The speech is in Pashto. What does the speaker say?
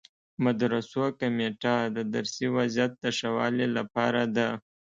مدرسو کمیټه د درسي وضعیت د ښه والي لپاره ده.